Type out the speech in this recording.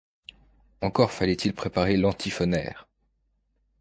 Encore fallait-il préparer l'antiphonaire.